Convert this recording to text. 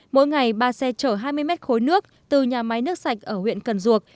mỗi ngày ba xe chở hai mươi mét khối nước từ nhà máy nước sạch ở huyện cần duộc